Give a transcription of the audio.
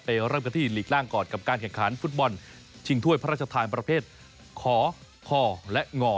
เริ่มกันที่หลีกล่างก่อนกับการแข่งขันฟุตบอลชิงถ้วยพระราชทานประเภทขอพอและงอ